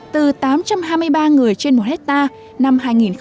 từ tám trăm hai mươi ba người trên một hectare năm hai nghìn một mươi